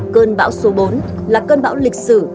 cơn bão số bốn là cơn bão lịch sử